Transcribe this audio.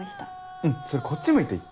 うんそれこっち向いて言って。